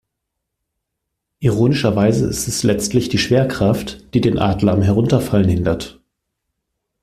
Ironischerweise ist es letztendlich die Schwerkraft, die den Adler am Herunterfallen hindert.